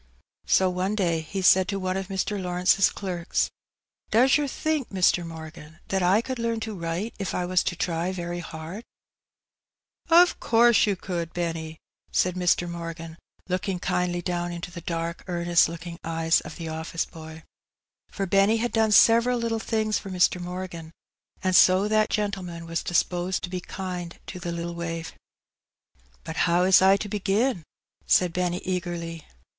So one day he said to one of Mr, Lawrence^s clerks — ^^Does yer think, Mr. Morgan, that I could learn to write if I was to try very hard ?^'" Of course you could, Benny," said Mr. Morgan, look ing kindly down into the dark earnest looking eyes of the office boy. For Benny had done several little things for Mr. Morgan, and so that gentleman was disposed to be kind to the little waif. *^ But how is I to begin ?" said Benny eagerly.